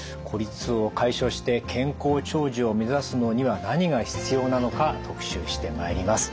孤立を解消して健康長寿を目指すのには何が必要なのか特集してまいります。